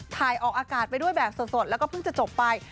ถ่ายออกอากาศไปด้วยแบบสดแล้วก็เพิ่งจะจบไป